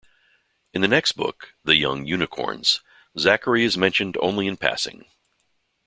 In the next book, "The Young Unicorns", Zachary is mentioned only in passing.